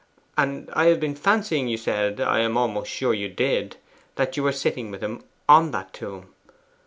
And I have been fancying you said I am almost sure you did that you were sitting with him ON that tomb.